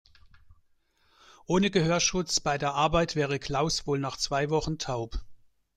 Ohne Gehörschutz bei der Arbeit wäre Klaus wohl nach zwei Wochen taub.